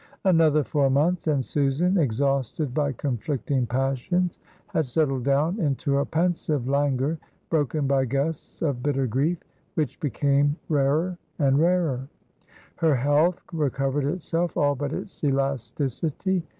Another four months, and Susan, exhausted by conflicting passions, had settled down into a pensive languor, broken by gusts of bitter grief, which became rarer and rarer. Her health recovered itself, all but its elasticity.